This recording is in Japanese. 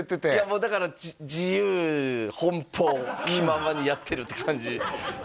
もうだから自由奔放気ままにやってるって感じ